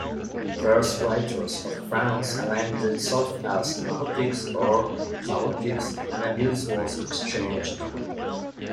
Verse-writers of France aligned themselves as "Marotiques" or "Sagontiques", and abuse was exchanged.